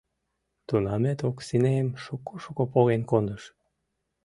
— Тунамет Оксинем шуко-шуко поген кондыш.